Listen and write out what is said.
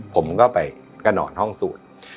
ผมก็ไปกระหนอนห้องสูตร